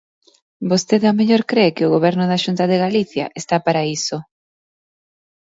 Vostede ao mellor cre que o Goberno da Xunta de Galicia está para iso.